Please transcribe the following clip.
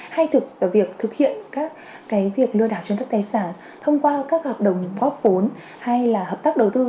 hay thực hiện việc lừa đảo chứng đợt tài sản thông qua các hợp đồng góp vốn hay là hợp tác đầu tư